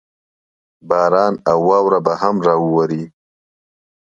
باران او واوره به هم راووري.